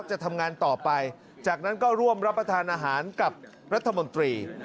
จะทำงานต่อไปจากนั้นก็ร่วมรับประทานอาหารกับรัฐมนตรี